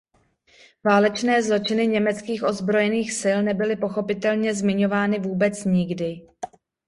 Válečné zločiny německých ozbrojených sil nebyly pochopitelně zmiňovány vůbec nikdy.